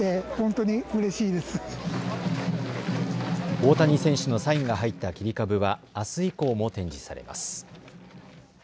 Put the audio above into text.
大谷選手のサインが入った切り株はあす以降も展示されます。